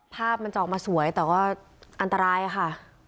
ภาพมันจะออกมาสวยแต่ว่าอันตรายค่ะ